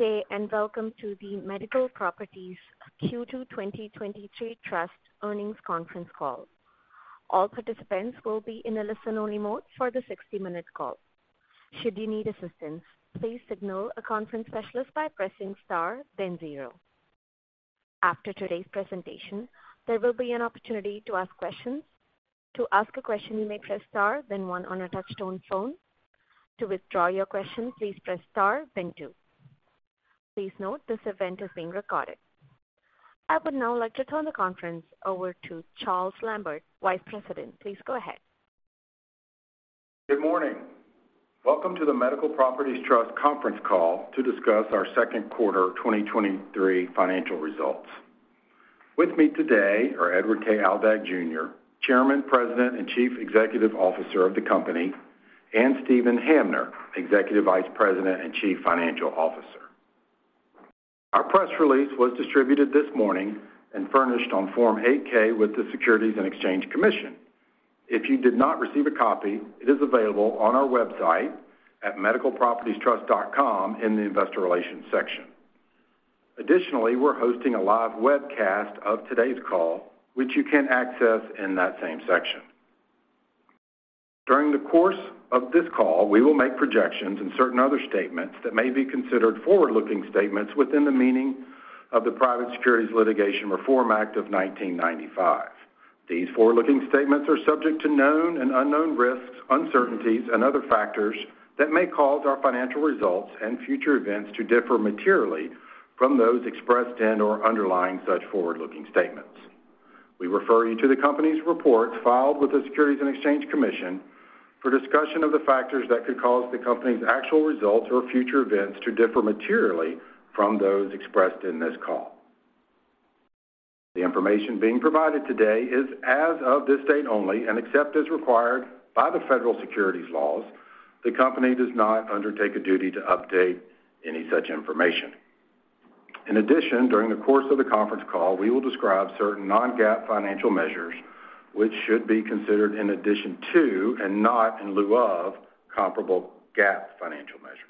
Good day, and welcome to the Medical Properties Trust Q2 2023 Earnings Conference Call. All participants will be in a listen-only mode for the 60-minute call. Should you need assistance, please signal a conference specialist by pressing Star then 0. After today's presentation, there will be an opportunity to ask questions. To ask a question, you may press Star then 1 on a touchtone phone. To withdraw your question, please press Star then 2. Please note, this event is being recorded. I would now like to turn the conference over to Charles Lambert, Vice President. Please go ahead. Good morning. Welcome to the Medical Properties Trust conference call to discuss our second quarter 2023 financial results. With me today are Edward K. Aldag, Jr., Chairman, President, and Chief Executive Officer of the company, and Steven Hamner, Executive Vice President and Chief Financial Officer. Our press release was distributed this morning and furnished on Form 8-K with the Securities and Exchange Commission. If you did not receive a copy, it is available on our website at medicalpropertiestrust.com in the Investor Relations section. Additionally, we're hosting a live webcast of today's call, which you can access in that same section. During the course of this call, we will make projections and certain other statements that may be considered forward-looking statements within the meaning of the Private Securities Litigation Reform Act of 1995. These forward-looking statements are subject to known and unknown risks, uncertainties, and other factors that may cause our financial results and future events to differ materially from those expressed in or underlying such forward-looking statements. We refer you to the company's reports filed with the Securities and Exchange Commission for discussion of the factors that could cause the company's actual results or future events to differ materially from those expressed in this call. The information being provided today is as of this date only, and except as required by the federal securities laws, the company does not undertake a duty to update any such information. In addition, during the course of the conference call, we will describe certain non-GAAP financial measures, which should be considered in addition to, and not in lieu of, comparable GAAP financial measures.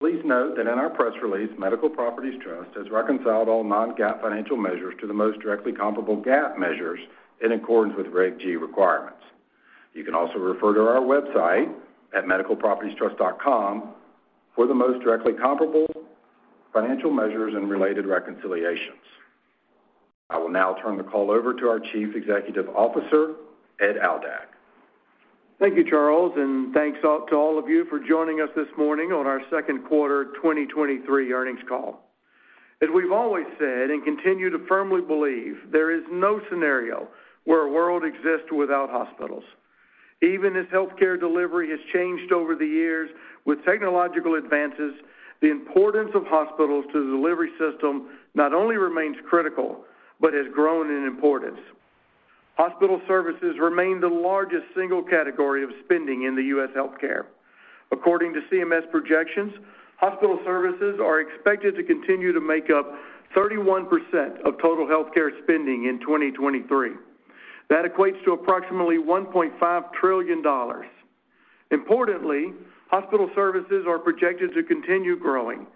Please note that in our press release, Medical Properties Trust has reconciled all non-GAAP financial measures to the most directly comparable GAAP measures in accordance with Reg G requirements. You can also refer to our website at medicalpropertiestrust.com for the most directly comparable financial measures and related reconciliations. I will now turn the call over to our Chief Executive Officer, Ed Aldag. Thank you, Charles, and thanks to all of you for joining us this morning on our second quarter 2023 earnings call. As we've always said and continue to firmly believe, there is no scenario where a world exists without hospitals. Even as healthcare delivery has changed over the years with technological advances, the importance of hospitals to the delivery system not only remains critical, but has grown in importance. Hospital services remain the largest single category of spending in the U.S. healthcare. According to CMS projections, hospital services are expected to continue to make up 31% of total healthcare spending in 2023. That equates to approximately $1.5 trillion. Importantly, hospital services are projected to continue growing.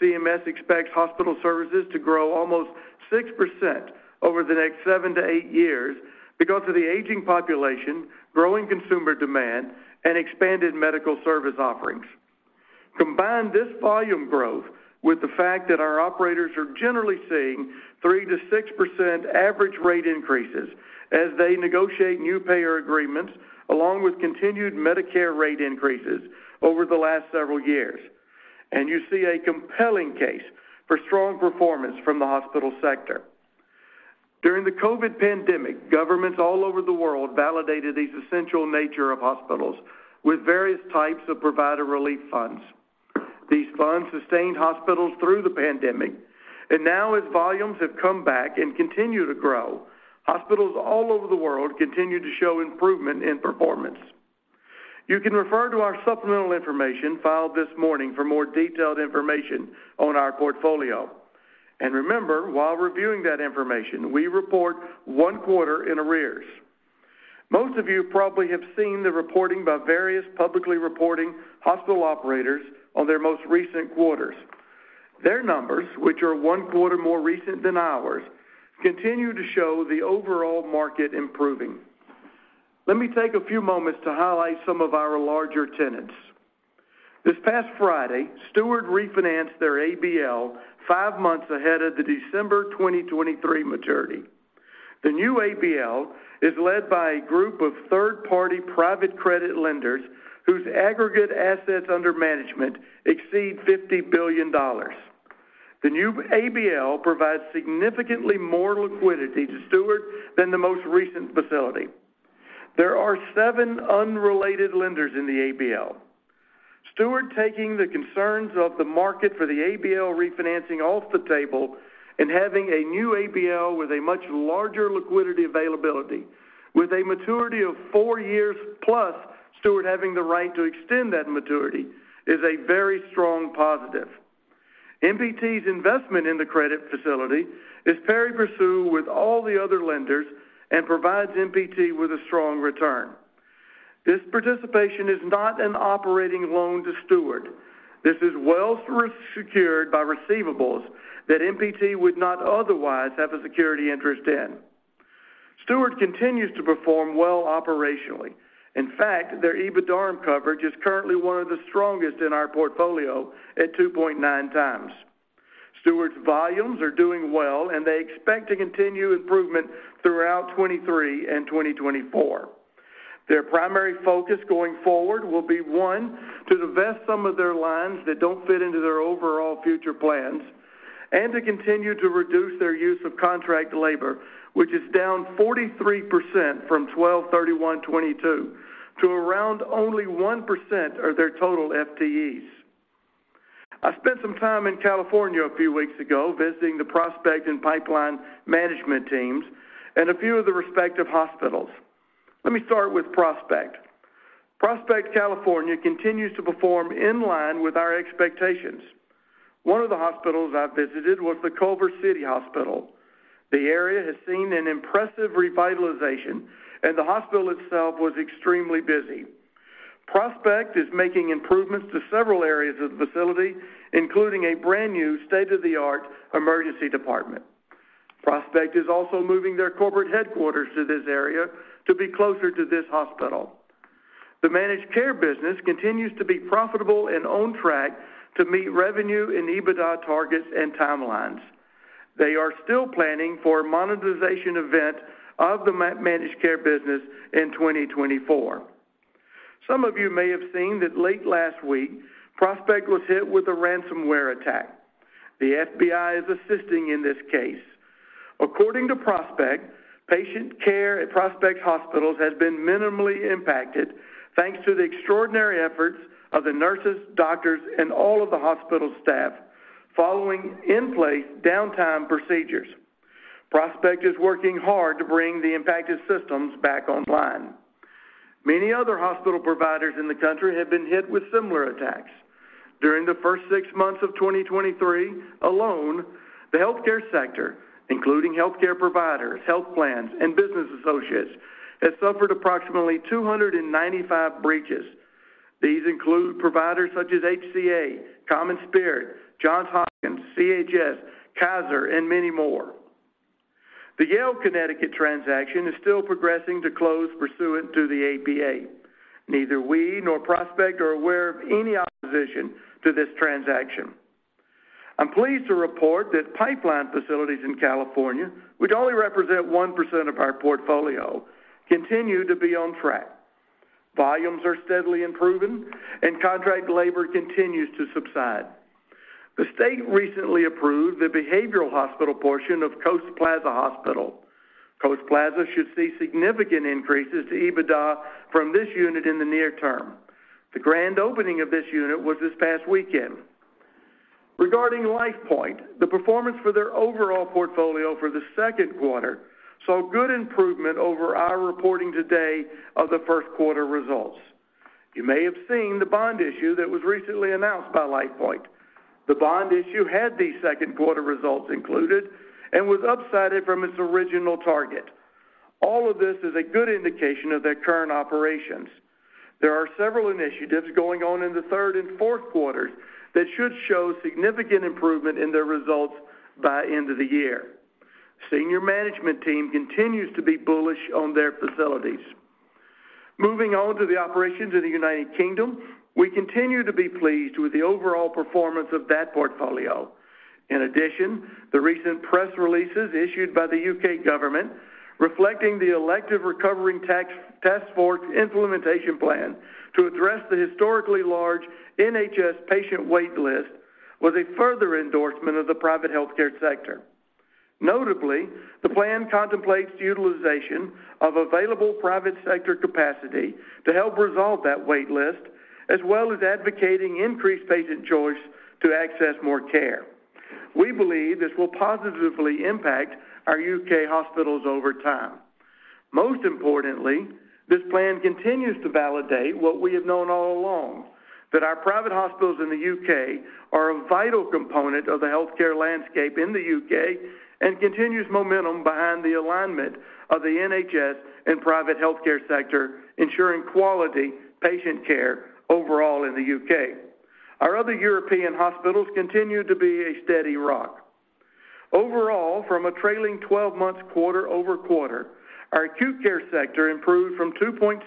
CMS expects hospital services to grow almost 6% over the next 7 to 8 years because of the aging population, growing consumer demand, and expanded medical service offerings. Combine this volume growth with the fact that our operators are generally seeing 3%-6% average rate increases as they negotiate new payer agreements, along with continued Medicare rate increases over the last several years, you see a compelling case for strong performance from the hospital sector. During the COVID pandemic, governments all over the world validated the essential nature of hospitals with various types of provider relief funds. These funds sustained hospitals through the pandemic, now as volumes have come back and continue to grow, hospitals all over the world continue to show improvement in performance. You can refer to our supplemental information filed this morning for more detailed information on our portfolio. Remember, while reviewing that information, we report 1 quarter in arrears. Most of you probably have seen the reporting by various publicly reporting hospital operators on their most recent quarters. Their numbers, which are one quarter more recent than ours, continue to show the overall market improving. Let me take a few moments to highlight some of our larger tenants. This past Friday, Steward refinanced their ABL five months ahead of the December 2023 maturity. The new ABL is led by a group of third-party private credit lenders whose aggregate assets under management exceed $50 billion. The new ABL provides significantly more liquidity to Steward than the most recent facility. There are seven unrelated lenders in the ABL. Steward taking the concerns of the market for the ABL refinancing off the table and having a new ABL with a much larger liquidity availability, with a maturity of four years, plus Steward having the right to extend that maturity, is a very strong positive. MPT's investment in the credit facility is pari passu with all the other lenders and provides MPT with a strong return. This participation is not an operating loan to Steward. This is well secured by receivables that MPT would not otherwise have a security interest in. Steward continues to perform well operationally. In fact, their EBITDARM coverage is currently one of the strongest in our portfolio at 2.9x. Steward's volumes are doing well, and they expect to continue improvement throughout 2023 and 2024. Their primary focus going forward will be, one, to divest some of their lines that don't fit into their overall future plans, and to continue to reduce their use of contract labor, which is down 43% from 12/31/2022, to around only 1% of their total FTEs. I spent some time in California a few weeks ago visiting the Prospect and Pipeline management teams and a few of the respective hospitals. Let me start with Prospect. Prospect, California, continues to perform in line with our expectations. One of the hospitals I visited was the Culver City Hospital. The area has seen an impressive revitalization, and the hospital itself was extremely busy. Prospect is making improvements to several areas of the facility, including a brand-new, state-of-the-art emergency department. Prospect is also moving their corporate headquarters to this area to be closer to this hospital. The managed care business continues to be profitable and on track to meet revenue and EBITDA targets and timelines. They are still planning for a monetization event of the managed care business in 2024. Some of you may have seen that late last week, Prospect was hit with a ransomware attack. The FBI is assisting in this case. According to Prospect, patient care at Prospect Hospitals has been minimally impacted, thanks to the extraordinary efforts of the nurses, doctors, and all of the hospital staff following in-place downtime procedures. Prospect is working hard to bring the impacted systems back online. Many other hospital providers in the country have been hit with similar attacks. During the first six months of 2023 alone, the healthcare sector, including healthcare providers, health plans, and business associates, has suffered approximately 295 breaches. These include providers such as HCA, CommonSpirit, Johns Hopkins, CHS, Kaiser, and many more. The Yale Connecticut transaction is still progressing to close pursuant to the APA. Neither we nor Prospect are aware of any opposition to this transaction. I'm pleased to report that Pipeline facilities in California, which only represent 1% of our portfolio, continue to be on track. Volumes are steadily improving and contract labor continues to subside. The state recently approved the behavioral hospital portion of Coast Plaza Hospital. Coast Plaza should see significant increases to EBITDA from this unit in the near term. The grand opening of this unit was this past weekend. Regarding LifePoint, the performance for their overall portfolio for the second quarter saw good improvement over our reporting today of the first quarter results. You may have seen the bond issue that was recently announced by LifePoint. The bond issue had these second quarter results included and was upsided from its original target. All of this is a good indication of their current operations. There are several initiatives going on in the third and fourth quarters that should show significant improvement in their results by end of the year. Senior management team continues to be bullish on their facilities. Moving on to the operations in the United Kingdom, we continue to be pleased with the overall performance of that portfolio. In addition, the recent press releases issued by the U.K. government, reflecting the elective recovery task force implementation plan to address the historically large NHS patient wait list, was a further endorsement of the private healthcare sector. Notably, the plan contemplates the utilization of available private sector capacity to help resolve that wait list, as well as advocating increased patient choice to access more care. We believe this will positively impact our U.K. hospitals over time. Most importantly, this plan continues to validate what we have known all along, that our private hospitals in the U.K. are a vital component of the healthcare landscape in the U.K. and continues momentum behind the alignment of the NHS and private healthcare sector, ensuring quality patient care overall in the U.K. Our other European hospitals continue to be a steady rock. Overall, from a trailing 12 months quarter-over-quarter, our acute care sector improved from 2.6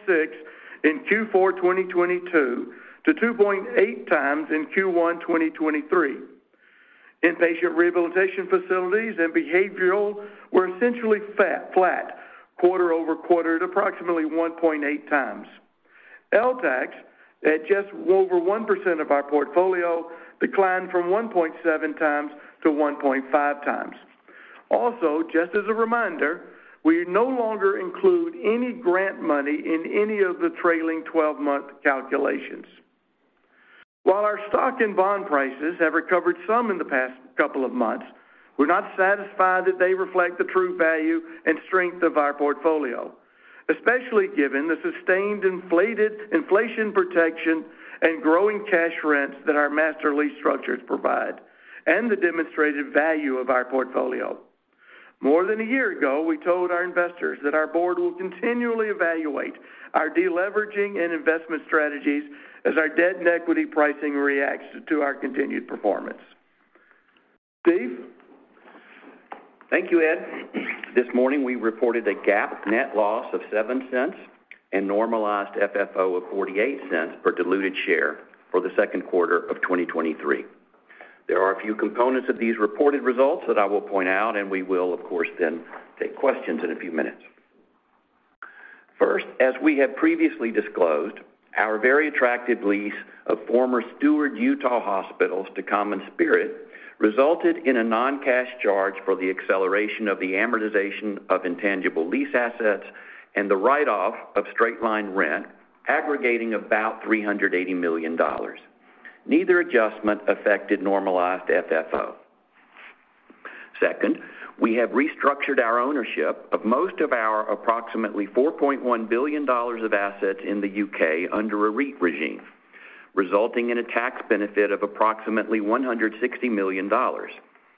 in Q4 2022 to 2.8 times in Q1 2023. Inpatient rehabilitation facilities and behavioral were essentially flat quarter-over-quarter at approximately 1.8 times. LTACHs, at just over 1% of our portfolio, declined from 1.7 times to 1.5 times. Also, just as a reminder, we no longer include any grant money in any of the trailing 12-month calculations. While our stock and bond prices have recovered some in the past couple of months, we're not satisfied that they reflect the true value and strength of our portfolio, especially given the sustained inflated, inflation protection and growing cash rents that our master lease structures provide, and the demonstrated value of our portfolio. More than a year ago, we told our investors that our board will continually evaluate our deleveraging and investment strategies as our debt and equity pricing reacts to our continued performance. Steve? Thank you, Ed. This morning, we reported a GAAP net loss of $0.07 and normalized FFO of $0.48 per diluted share for the second quarter of 2023. There are a few components of these reported results that I will point out. We will, of course, then take questions in a few minutes. First, as we have previously disclosed, our very attractive lease of former Steward Utah Hospitals to CommonSpirit, resulted in a non-cash charge for the acceleration of the amortization of intangible lease assets and the write-off of straight-line rent, aggregating about $380 million. Neither adjustment affected normalized FFO. Second, we have restructured our ownership of most of our approximately $4.1 billion of assets in the U.K. under a REIT regime, resulting in a tax benefit of approximately $160 million,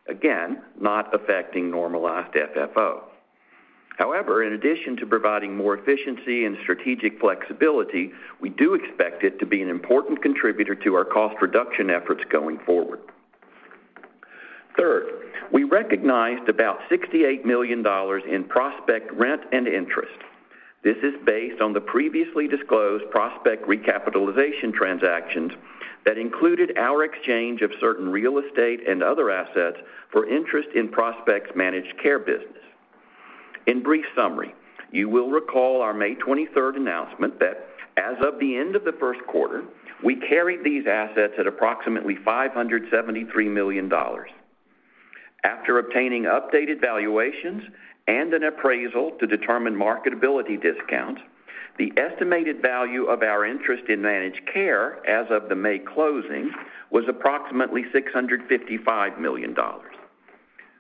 again, not affecting normalized FFO. However, in addition to providing more efficiency and strategic flexibility, we do expect it to be an important contributor to our cost reduction efforts going forward. Third, we recognized about $68 million in Prospect rent and interest. This is based on the previously disclosed Prospect recapitalization transactions that included our exchange of certain real estate and other assets for interest in Prospect's managed care business. In brief summary, you will recall our May 23rd announcement that, as of the end of the 1st quarter, we carried these assets at approximately $573 million. After obtaining updated valuations and an appraisal to determine marketability discounts, the estimated value of our interest in managed care as of the May closing, was approximately $655 million.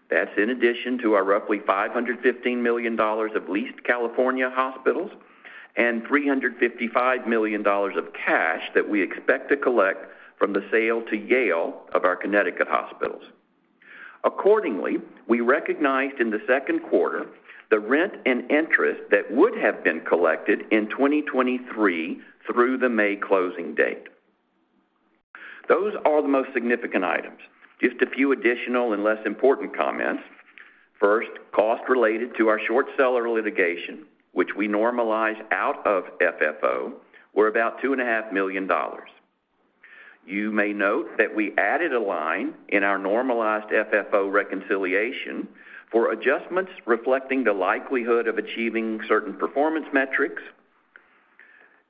That's in addition to our roughly $515 million of leased California hospitals and $355 million of cash that we expect to collect from the sale to Yale of our Connecticut hospitals. Accordingly, we recognized in the second quarter, the rent and interest that would have been collected in 2023 through the May closing date. Those are the most significant items. Just a few additional and less important comments. First, costs related to our short seller litigation, which we normalize out of FFO, were about $2.5 million. You may note that we added a line in our normalized FFO reconciliation for adjustments reflecting the likelihood of achieving certain performance metrics,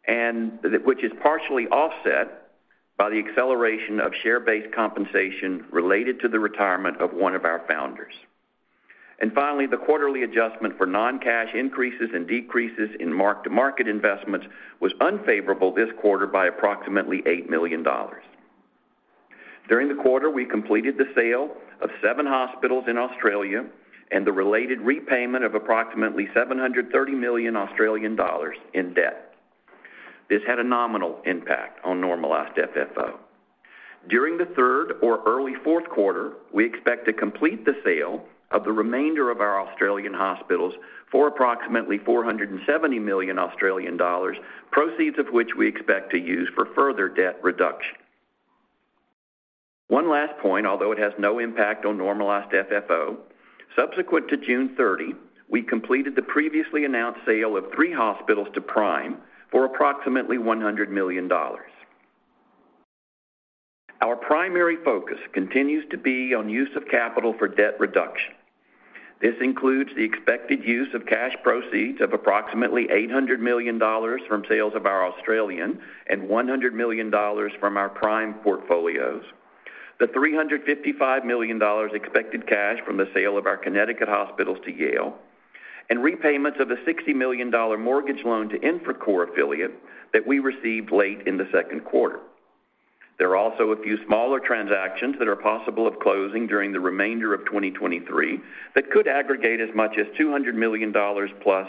and which is partially offset by the acceleration of share-based compensation related to the retirement of one of our founders. Finally, the quarterly adjustment for non-cash increases and decreases in mark-to-market investments was unfavorable this quarter by approximately $8 million. During the quarter, we completed the sale of 7 hospitals in Australia and the related repayment of approximately 730 million Australian dollars in debt. This had a nominal impact on normalized FFO. During the 3rd or early 4th quarter, we expect to complete the sale of the remainder of our Australian hospitals for approximately 470 million Australian dollars, proceeds of which we expect to use for further debt reduction. One last point, although it has no impact on normalized FFO, subsequent to June 30, we completed the previously announced sale of 3 hospitals to Prime for approximately $100 million. Our primary focus continues to be on use of capital for debt reduction. This includes the expected use of cash proceeds of approximately $800 million from sales of our Australian, and $100 million from our Prime portfolios. The $355 million expected cash from the sale of our Connecticut hospitals to Yale, and repayments of the $60 million mortgage loan to Infracorp affiliate that we received late in the second quarter. There are also a few smaller transactions that are possible of closing during the remainder of 2023, that could aggregate as much as $200 million plus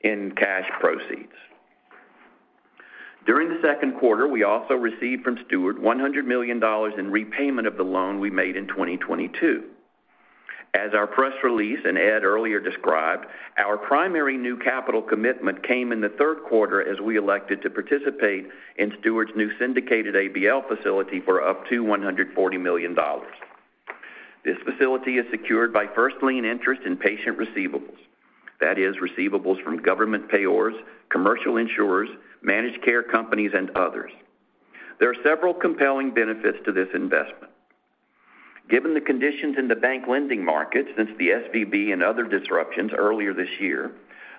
in cash proceeds. During the second quarter, we also received from Steward $100 million in repayment of the loan we made in 2022. As our press release and Ed earlier described, our primary new capital commitment came in the third quarter as we elected to participate in Steward's new syndicated ABL facility for up to $140 million. This facility is secured by first lien interest in patient receivables. That is, receivables from government payers, commercial insurers, managed care companies, and others. There are several compelling benefits to this investment. Given the conditions in the bank lending markets since the SVB and other disruptions earlier this year,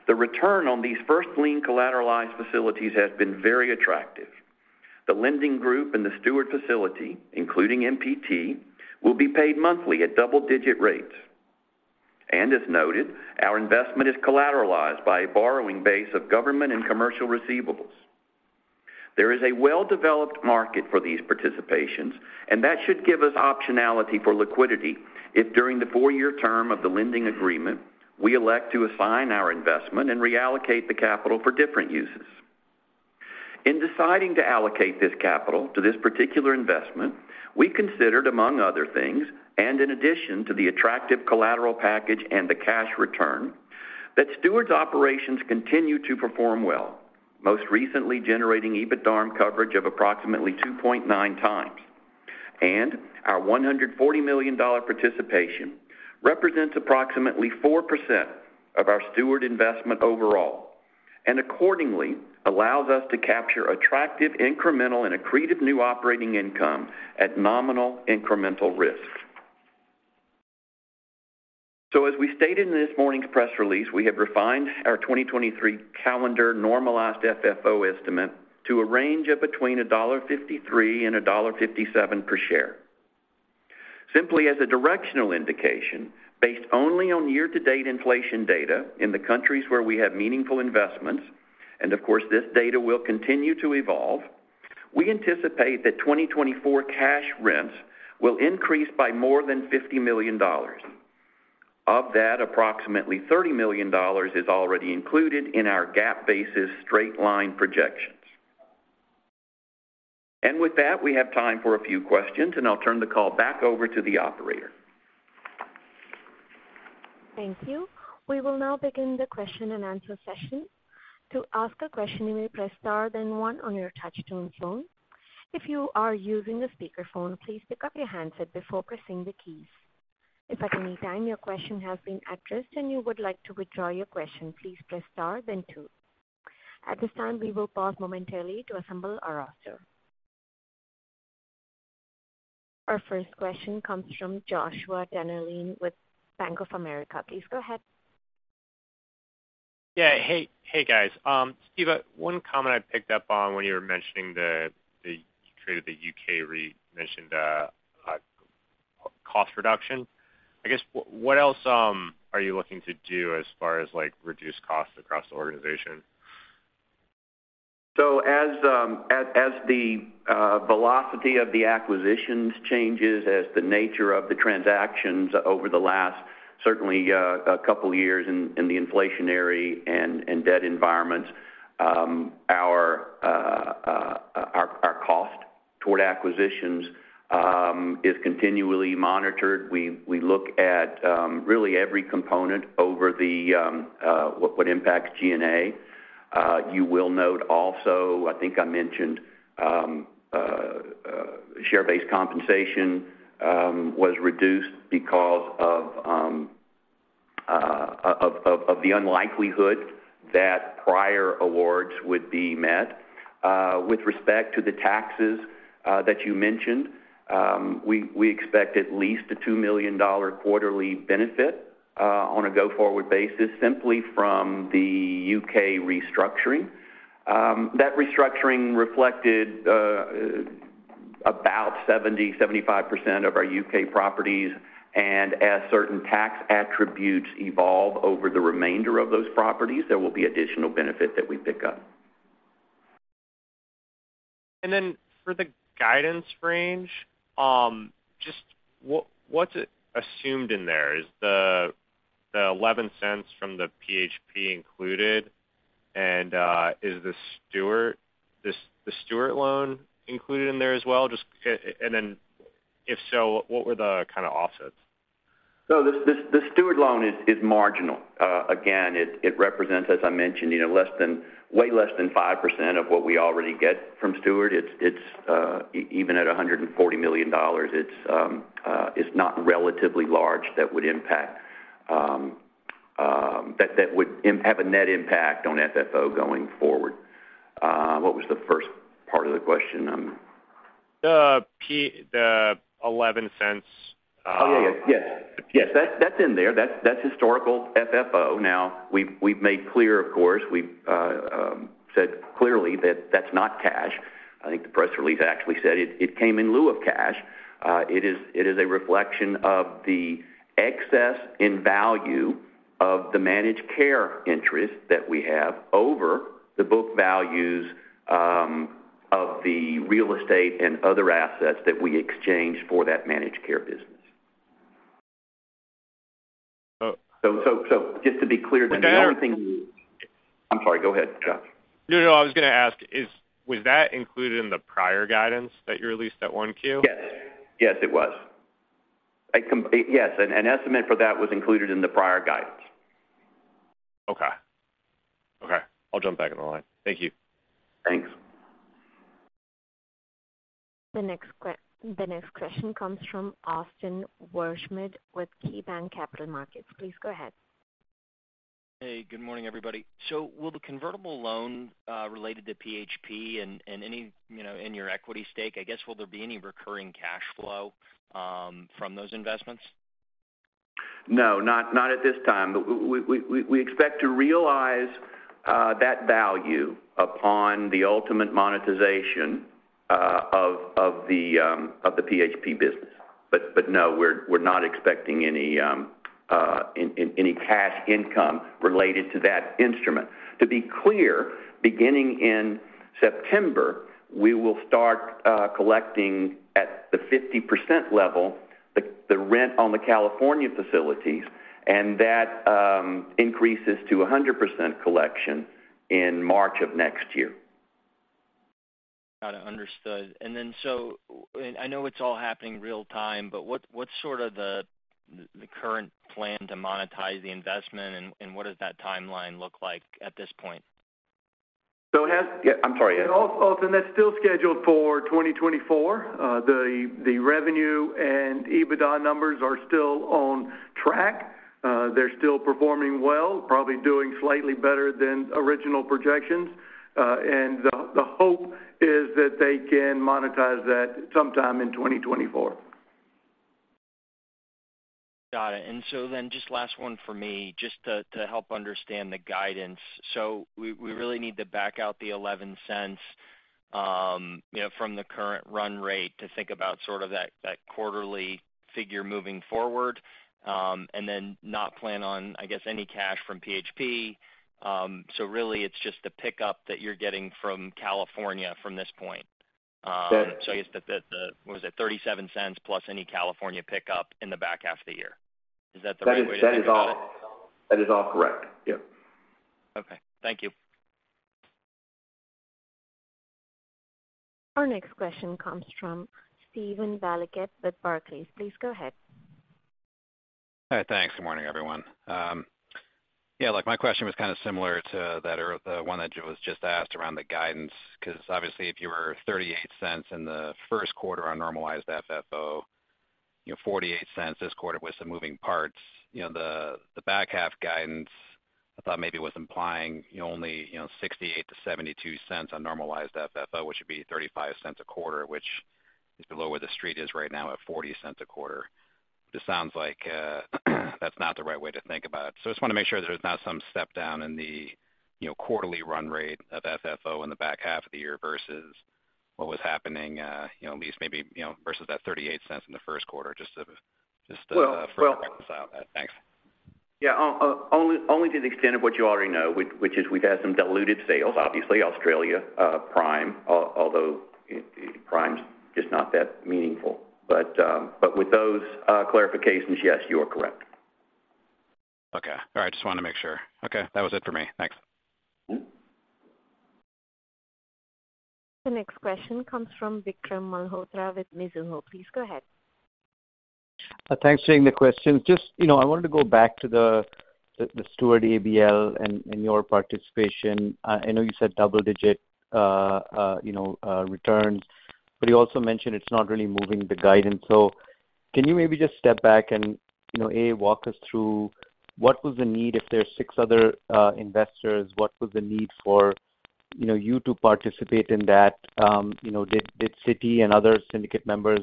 the return on these first lien collateralized facilities has been very attractive. The lending group and the Steward facility, including MPT, will be paid monthly at double-digit rates. As noted, our investment is collateralized by a borrowing base of government and commercial receivables. There is a well-developed market for these participations, and that should give us optionality for liquidity, if during the four-year term of the lending agreement, we elect to assign our investment and reallocate the capital for different uses. In deciding to allocate this capital to this particular investment, we considered, among other things, and in addition to the attractive collateral package and the cash return, that Steward's operations continue to perform well, most recently generating EBITDARM coverage of approximately 2.9 times. Our $140 million participation represents approximately 4% of our Steward investment overall, and accordingly, allows us to capture attractive, incremental, and accretive new operating income at nominal incremental risk. As we stated in this morning's press release, we have refined our 2023 calendar normalized FFO estimate to a range of between $1.53 and $1.57 per share. Simply as a directional indication, based only on year-to-date inflation data in the countries where we have meaningful investments, and of course, this data will continue to evolve, we anticipate that 2024 cash rents will increase by more than $50 million. Of that, approximately $30 million is already included in our GAAP-basis straight-line projections. With that, we have time for a few questions, and I'll turn the call back over to the operator. Thank you. We will now begin the question-and-answer session. To ask a question, you may press star, then one on your touch-tone phone. If you are using a speakerphone, please pick up your handset before pressing the keys. If at any time your question has been addressed and you would like to withdraw your question, please press star then two. At this time, we will pause momentarily to assemble our roster. Our first question comes from Joshua Dennerlein with Bank of America. Please go ahead. Yeah. Hey, hey, guys. Steve, one comment I picked up on when you were mentioning the, the trade of the U.K. re... Mentioned, cost reduction. I guess, what, what else, are you looking to do as far as, like, reduce costs across the organization? As the velocity of the acquisitions changes, as the nature of the transactions over the last, certainly, a couple of years in the inflationary and debt environments, our cost toward acquisitions is continually monitored. We look at really every component over what impacts G&A. You will note also, I think I mentioned, share-based compensation was reduced because of the unlikelihood that prior awards would be met. With respect to the taxes that you mentioned, we expect at least a $2 million quarterly benefit on a go-forward basis, simply from the UK restructuring. That restructuring reflected about 70%-75% of our UK properties, and as certain tax attributes evolve over the remainder of those properties, there will be additional benefit that we pick up. For the guidance range, just what, what's assumed in there? Is the, the $0.11 from the PHP included, and, is the Steward, is the Steward loan included in there as well? Just, and then if so, what were the kind of offsets? The, the Steward loan is, is marginal. Again, it, it represents, as I mentioned, you know, less than-- way less than 5% of what we already get from Steward. It's, it's even at $140 million, it's not relatively large that would impact that, that would have a net impact on FFO going forward. What was the first part of the question? The P... The eleven cents, uh- Oh, yeah, yes. Yes, that's, that's in there. That's, that's historical FFO. Now, we've, we've made clear, of course, we've said clearly that that's not cash. I think the press release actually said it, it came in lieu of cash. It is, it is a reflection of the excess in value of the managed care interest that we have over the book values of the real estate and other assets that we exchanged for that managed care business. Oh- Just to be clear, the only thing. With that. I'm sorry, go ahead, Josh. No, no, I was going to ask, is... Was that included in the prior guidance that you released at 1Q? Yes. Yes, it was. Yes, an estimate for that was included in the prior guidance. Okay. Okay, I'll jump back in the line. Thank you. Thanks. The next question comes from Austin Wurschmidt with KeyBanc Capital Markets. Please go ahead. Hey, good morning, everybody. Will the convertible loan, related to PHP and, and any, you know, in your equity stake, I guess, will there be any recurring cash flow, from those investments? No, not, not at this time. We expect to realize that value upon the ultimate monetization of the PHP business. No, we're not expecting any cash income related to that instrument. To be clear, beginning in September, we will start collecting at the 50% level, the rent on the California facilities, and that increases to 100% collection in March of next year. Got it, understood. I know it's all happening real time, but what's sort of the current plan to monetize the investment, and what does that timeline look like at this point? Han-- Yeah, I'm sorry, Ed. That's still scheduled for 2024. The, the revenue and EBITDA numbers are still on track. They're still performing well, probably doing slightly better than original projections. And the, the hope is that they can monetize that sometime in 2024. Got it. Just last one for me, just to help understand the guidance. We really need to back out the $0.11, you know, from the current run rate to think about sort of that quarterly figure moving forward, and then not plan on, I guess, any cash from PHP. Really, it's just the pickup that you're getting from California from this point. I guess the, what is it, $0.37 plus any California pickup in the back half of the year. Is that the right way to? That is, that is all, that is all correct. Yep. Okay, thank you. Our next question comes from Steven Valiquette with Barclays. Please go ahead. Hi, thanks. Good morning, everyone. Yeah, look, my question was kind of similar to that the one that was just asked around the guidance, because obviously, if you were $0.38 in the first quarter on normalized FFO, you know, $0.48 this quarter with some moving parts, you know, the, the back half guidance, I thought maybe was implying, you know, only, you know, $0.68-$0.72 on normalized FFO, which would be $0.35 a quarter, which is below where the street is right now at $0.40 a quarter. This sounds like that's not the right way to think about it. just want to make sure that there's not some step down in the, you know, quarterly run rate of FFO in the back half of the year versus what was happening, you know, at least maybe, you know, versus that $0.38 in the first quarter. Well- further out. Thanks. Yeah, only, only to the extent of what you already know, which, which is we've had some diluted sales, obviously, Australia, Prime, although Prime's just not that meaningful. But with those clarifications, yes, you are correct. Okay. All right, just wanted to make sure. Okay, that was it for me. Thanks. Mm-hmm. The next question comes from Vikram Malhotra with Mizuho. Please go ahead. Thanks for taking the question. Just, you know, I wanted to go back to the Steward ABL and your participation. I know you said double-digit, you know, returns, but you also mentioned it's not really moving the guidance. Can you maybe just step back and, you know, A, walk us through what was the need if there's 6 other investors, what was the need for, you know, you to participate in that? You know, did Citi and other syndicate members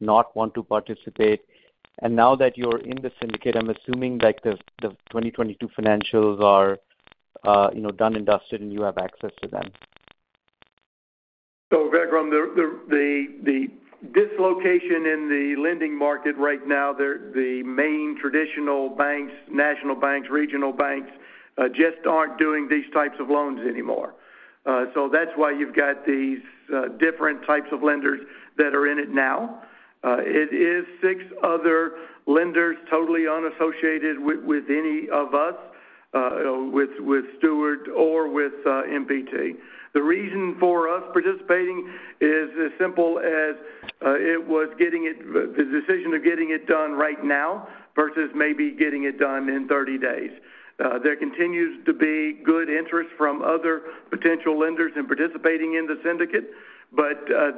not want to participate? Now that you're in the syndicate, I'm assuming, like, the 2022 financials are, you know, done and dusted, and you have access to them. Vikram Malhotra, the dislocation in the lending market right now, they're the main traditional banks, national banks, regional banks, just aren't doing these types of loans anymore. That's why you've got these different types of lenders that are in it now. It is 6 other lenders, totally unassociated with any of us, with Steward or with MPT. The reason for us participating is as simple as the decision of getting it done right now versus maybe getting it done in 30 days. There continues to be good interest from other potential lenders in participating in the syndicate,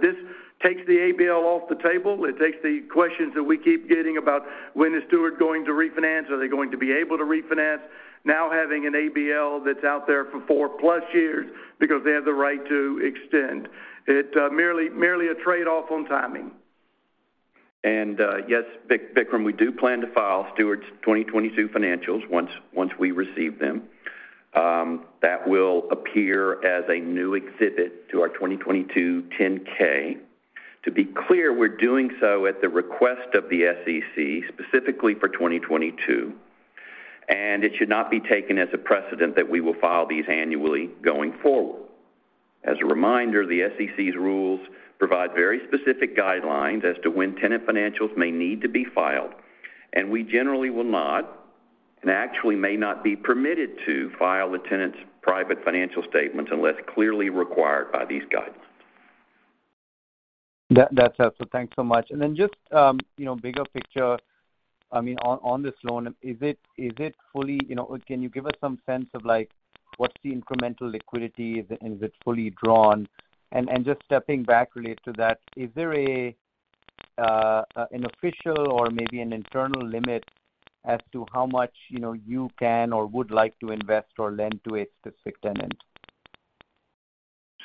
this takes the ABL off the table. It takes the questions that we keep getting about: When is Steward going to refinance? Are they going to be able to refinance? Having an ABL that's out there for 4-plus years because they have the right to extend. It merely, merely a trade-off on timing. Yes, Vikram, we do plan to file Steward's 2022 financials once, once we receive them. That will appear as a new exhibit to our 2022 10-K. To be clear, we're doing so at the request of the SEC, specifically for 2022, and it should not be taken as a precedent that we will file these annually going forward. As a reminder, the SEC's rules provide very specific guidelines as to when tenant financials may need to be filed, and we generally will not, and actually may not be permitted to file the tenant's private financial statements unless clearly required by these guidelines. That, that's it. Thanks so much. Then just, you know, bigger picture, I mean, on, on this loan, you know, can you give us some sense of, like, what's the incremental liquidity? Is it, is it fully drawn? Just stepping back related to that, is there an official or maybe an internal limit as to how much, you know, you can or would like to invest or lend to a specific tenant?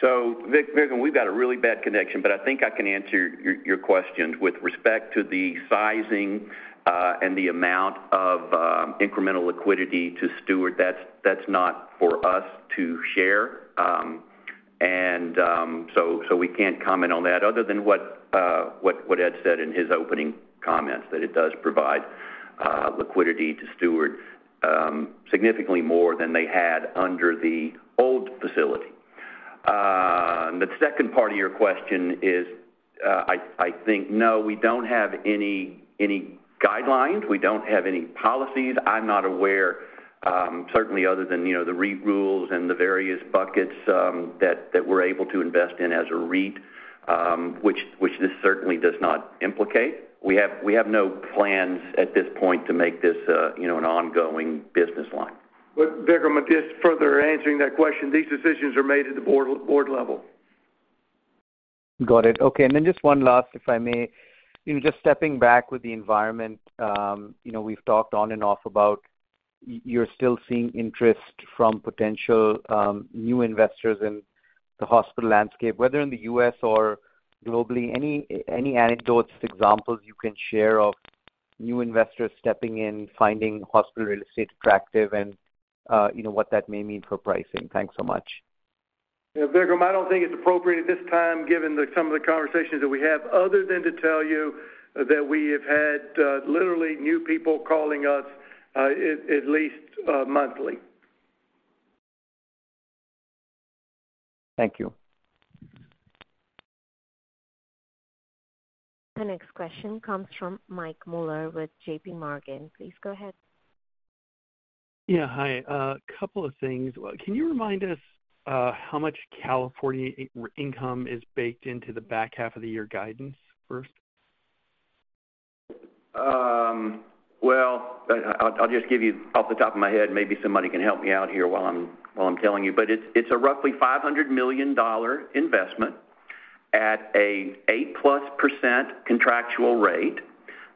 Vikram, we've got a really bad connection, but I think I can answer your questions. With respect to the sizing, and the amount of incremental liquidity to Steward, that's not for us to share. We can't comment on that other than what Ed said in his opening comments, that it does provide liquidity to Steward, significantly more than they had under the old facility. The second part of your question is, I think, no, we don't have any guidelines. We don't have any policies. I'm not aware, certainly other than, you know, the REIT rules and the various buckets that we're able to invest in as a REIT, which this certainly does not implicate. We have, we have no plans at this point to make this, you know, an ongoing business line. Vikram Malhotra, just further answering that question, these decisions are made at the board, board level. Got it. Okay, just one last, if I may. You know, just stepping back with the environment, you know, we've talked on and off about, you're still seeing interest from potential new investors in the hospital landscape, whether in the U.S. or globally. Any, any anecdotes, examples you can share of new investors stepping in, finding hospital real estate attractive and, you know, what that may mean for pricing? Thanks so much. Yeah, Vikram, I don't think it's appropriate at this time, given the some of the conversations that we have, other than to tell you that we have had, literally new people calling us, at, at least, monthly. Thank you. The next question comes from Mike Mueller with JPMorgan. Please go ahead. Yeah, hi. A couple of things. Can you remind us, how much California income is baked into the back half of the year guidance first? Well, I'll, I'll just give you off the top of my head. Maybe somebody can help me out here while I'm, while I'm telling you, but it's, it's a roughly $500 million investment at a 8%+ contractual rate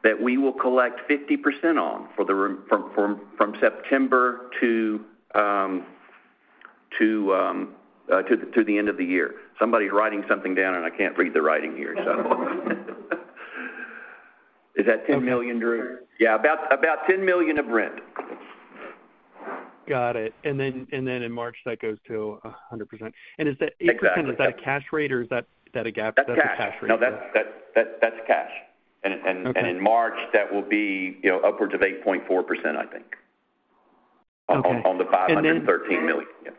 that we will collect 50% on for the re-- from, from, from September to to the end of the year. Somebody's writing something down, and I can't read the writing here, so. Is that $10 million, Drew? Yeah, about, about $10 million of rent. Got it. Then, and then in March, that goes to 100%. Exactly. Is that 8%, is that a cash rate or is that, is that a GAAP? That's cash. That's a cash rate. No, that's, that's, that's cash. Okay. In March, that will be, you know, upwards of 8.4%, I think- Okay. On the $513 million. Yeah.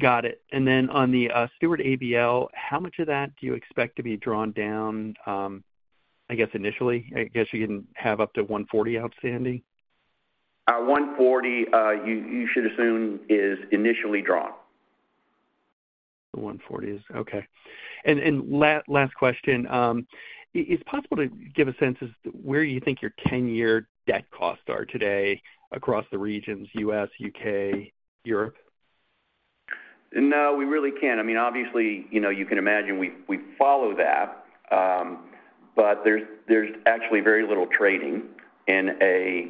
Got it. Then on the Steward ABL, how much of that do you expect to be drawn down, I guess, initially? I guess you can have up to $140 outstanding. 140, you should assume is initially drawn. Okay. Last question. Is it possible to give a sense as to where you think your 10-year debt costs are today across the regions, U.S., U.K., Europe? No, we really can't. I mean, obviously, you know, you can imagine we, we follow that, but there's, there's actually very little trading in a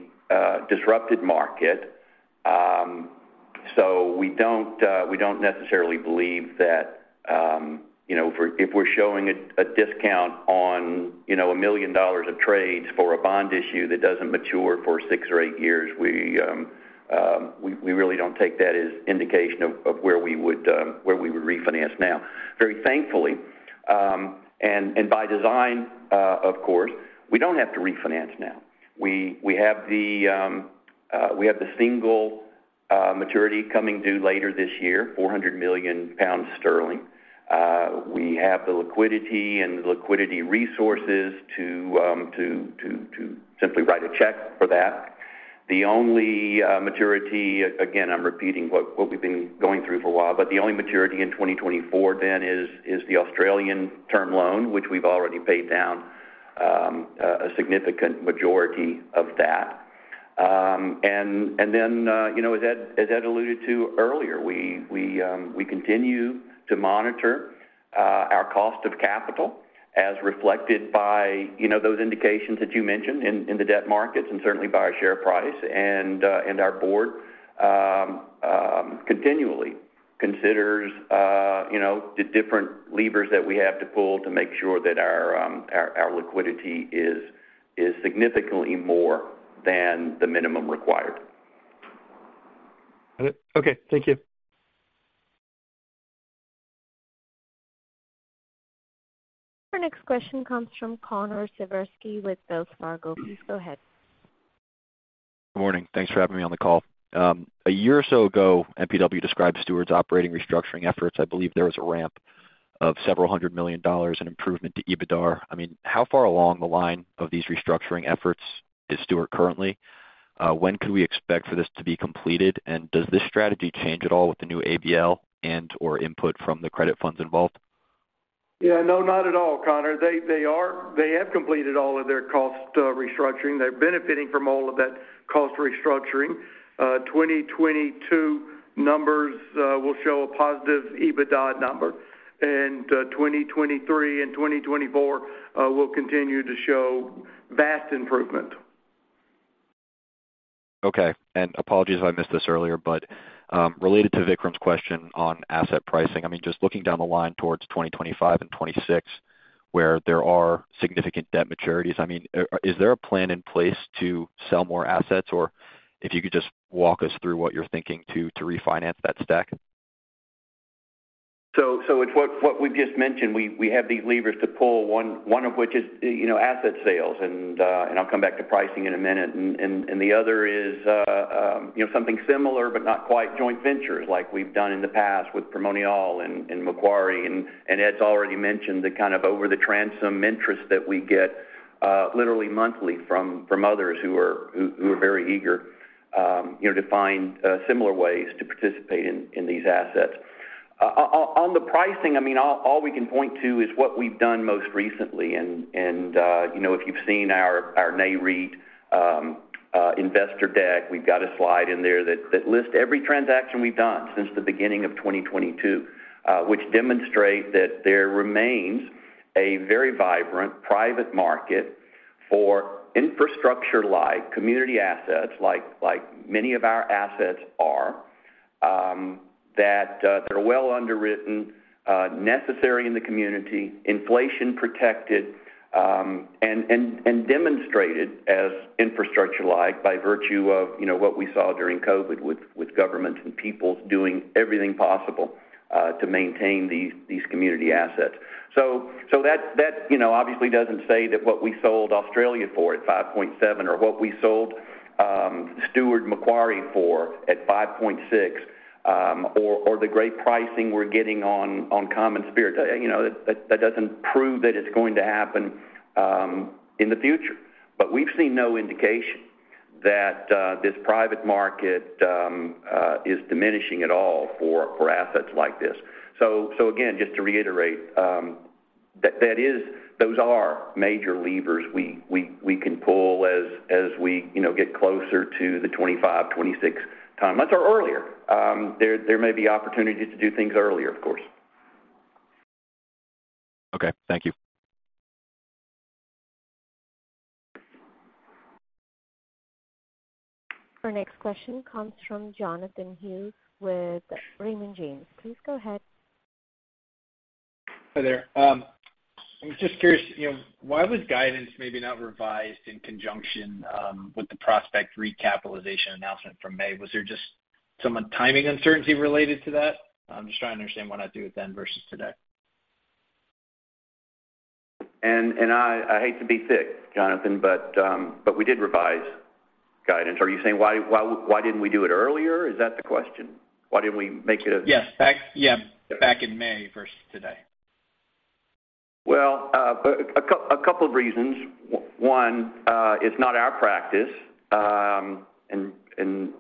disrupted market. We don't, we don't necessarily believe that, you know, if we're, if we're showing a, a discount on, you know, $1 million of trades for a bond issue that doesn't mature for six or eight years, we, we really don't take that as indication of, of where we would, where we would refinance now. Very thankfully, and, and by design, of course, we don't have to refinance now. We, we have the, we have the single, maturity coming due later this year, 400 million pounds. We have the liquidity and the liquidity resources to, to, to, to simply write a check for that. The only maturity, again, I'm repeating what we've been going through for a while, the only maturity in 2024 then is the Australian term loan, which we've already paid down a significant majority of that. You know, as Ed alluded to earlier, we continue to monitor our cost of capital as reflected by, you know, those indications that you mentioned in the debt markets, and certainly by our share price. Our board continually considers, you know, the different levers that we have to pull to make sure that our liquidity is significantly more than the minimum required. Got it. Okay, thank you. Our next question comes from Connor Siversky with Wells Fargo. Please go ahead. Good morning. Thanks for having me on the call. A year or so ago, MPW described Steward's operating restructuring efforts. I believe there was a ramp of several hundred million dollars in improvement to EBITDAR. I mean, how far along the line of these restructuring efforts is Steward currently? When can we expect for this to be completed? Does this strategy change at all with the new ABL and/or input from the credit funds involved? Yeah, no, not at all, Connor. They, they have completed all of their cost restructuring. They're benefiting from all of that cost restructuring. 2022 numbers will show a positive EBITDAR number, 2023 and 2024 will continue to show vast improvement. Okay, apologies if I missed this earlier, but, related to Vikram's question on asset pricing, I mean, just looking down the line towards 2025 and 2026, where there are significant debt maturities, I mean, is there a plan in place to sell more assets? Or if you could just walk us through what you're thinking to, to refinance that stack. It's what we've just mentioned. We have these levers to pull, one of which is, you know, asset sales, and I'll come back to pricing in a minute. The other is, you know, something similar, but not quite joint ventures like we've done in the past with Primonial and Macquarie. Ed's already mentioned the kind of over-the-transom interest that we get, literally monthly from others who are very eager, you know, to find similar ways to participate in these assets. On the pricing, I mean, all we can point to is what we've done most recently. You know, if you've seen our, our Nareit investor deck, we've got a slide in there that, that lists every transaction we've done since the beginning of 2022, which demonstrate that there remains a very vibrant private market for infrastructure-like community assets, like, like many of our assets are, that are well underwritten, necessary in the community, inflation-protected, and, and, and demonstrated as infrastructure-like by virtue of, you know, what we saw during COVID with, with governments and peoples doing everything possible, to maintain these, these community assets. That, that, you know, obviously doesn't say that what we sold Australia for at 5.7, or what we sold Steward Macquarie for at 5.6, or, or the great pricing we're getting on, on CommonSpirit. You know, that, that doesn't prove that it's going to happen, in the future. We've seen no indication that, this private market, is diminishing at all for, for assets like this. Again, just to reiterate, that, that is, those are major levers we, we, we can pull as, as we, you know, get closer to the 25, 26 time, or earlier. There, there may be opportunities to do things earlier, of course. Okay, thank you. Our next question comes from Jonathan Hughes with Raymond James. Please go ahead. Hi, there. I was just curious, you know, why was guidance maybe not revised in conjunction with the Prospect recapitalization announcement from May? Was there just some timing uncertainty related to that? I'm just trying to understand why not do it then versus today. I, I hate to be thick, Jonathan, but, but we did revise guidance. Are you saying why, why, why didn't we do it earlier? Is that the question? Why didn't we make it a- Yes. Back, yeah, back in May versus today. Well, a couple of reasons. One, it's not our practice, and, and,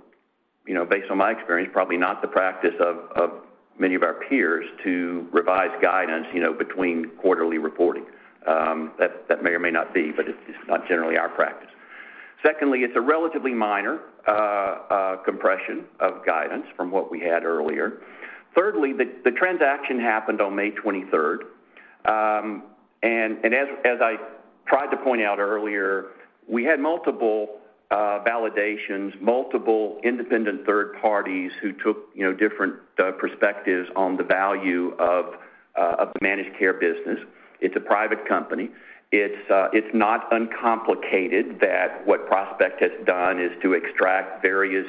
you know, based on my experience, probably not the practice of, of many of our peers to revise guidance, you know, between quarterly reporting. That, that may or may not be, but it's, it's not generally our practice. Secondly, it's a relatively minor compression of guidance from what we had earlier. Thirdly, the, the transaction happened on May 23rd. And, and as, as I tried to point out earlier, we had multiple validations, multiple independent third parties who took, you know, different perspectives on the value of, of the managed care business. It's a private company. It's, it's not uncomplicated that what Prospect has done is to extract various,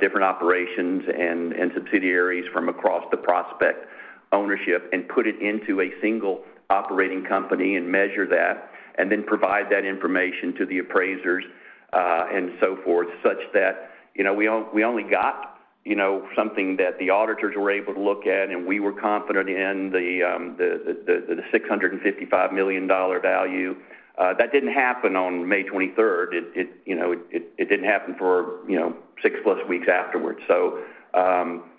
different operations and, and subsidiaries from across the Prospect ownership and put it into a single operating company and measure that, and then provide that information to the appraisers, and so forth. Such that, you know, we only, we only got, you know, something that the auditors were able to look at, and we were confident in the $655 million value. That didn't happen on May 23rd. It, you know, it didn't happen for, you know, 6-plus weeks afterwards.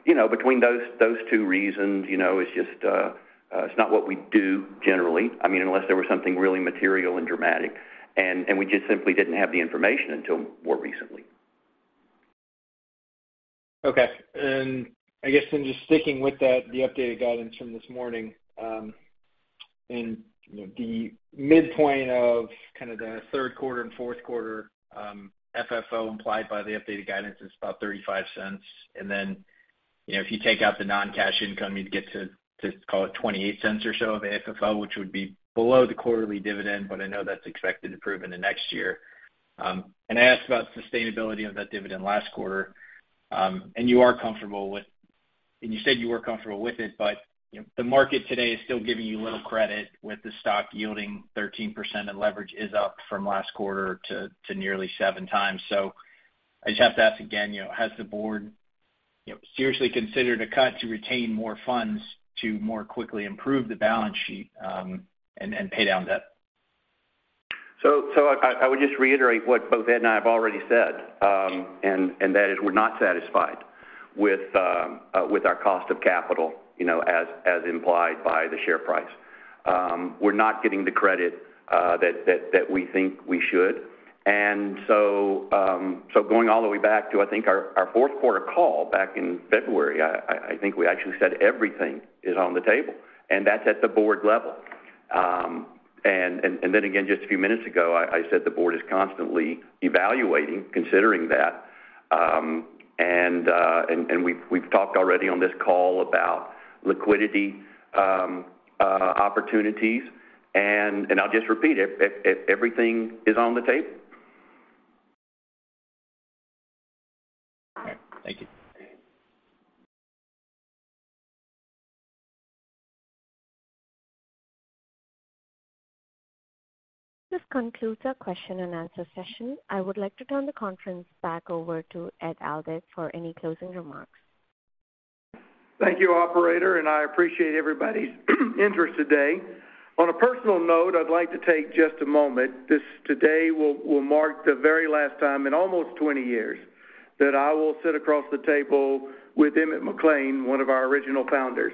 You know, between those, those two reasons, you know, it's just, it's not what we do generally. I mean, unless there was something really material and dramatic, and, and we just simply didn't have the information until more recently. Okay. I guess then just sticking with that, the updated guidance from this morning, and, you know, the midpoint of kind of the third quarter and fourth quarter FFO implied by the updated guidance is about $0.35. Then, you know, if you take out the non-cash income, you'd get to, to call it $0.28 or so of FFO, which would be below the quarterly dividend, but I know that's expected to improve in the next year. I asked about sustainability of that dividend last quarter, and you are comfortable with... And you said you were comfortable with it, but, you know, the market today is still giving you little credit with the stock yielding 13%, and leverage is up from last quarter to, to nearly 7 times. I just have to ask again, you know, has the board, you know, seriously considered a cut to retain more funds to more quickly improve the balance sheet, and, and pay down debt? I, I would just reiterate what both Ed and I have already said, and, and that is we're not satisfied with our cost of capital, you know, as, as implied by the share price. We're not getting the credit that, that, that we think we should. So going all the way back to, I think, our, our fourth quarter call back in February, I, I, I think we actually said everything is on the table, and that's at the board level. Then again, just a few minutes ago, I, I said the board is constantly evaluating, considering that. We've, we've talked already on this call about liquidity opportunities. I'll just repeat it, everything is on the table. All right. Thank you. This concludes our question and answer session. I would like to turn the conference back over to Ed Aldag for any closing remarks. Thank you, operator, and I appreciate everybody's interest today. On a personal note, I'd like to take just a moment. This today will mark the very last time in almost 20 years that I will sit across the table with Emmett McLean, one of our original founders.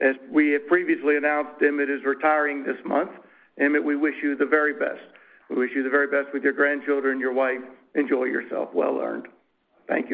As we had previously announced, Emmett is retiring this month. Emmett, we wish you the very best. We wish you the very best with your grandchildren, your wife. Enjoy yourself. Well earned. Thank you.